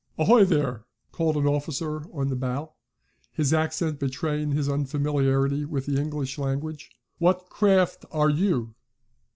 "Ahoy there!" called an officer in the bow, his accent betraying his unfamiliarity with the English language. "What craft are you?"